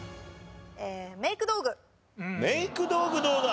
メイク道具どうだ？